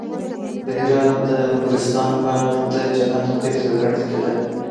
د هرات د انګورستان باغ د جنت بېلګه ګڼل کېده